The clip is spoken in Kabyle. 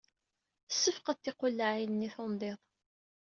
Sefqed tiqellaɛin-nni i tundiḍ.